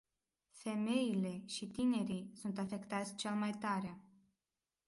Femeile și tinerii sunt afectați cel mai tare.